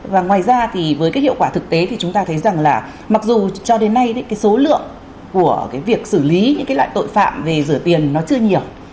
và ngoài ra thì với cái hiệu quả thực tế thì chúng ta thấy rằng là mặc dù cho đến nay cái số lượng của cái việc xử lý những cái loại tội phạm về rửa tiền nó chưa nhiều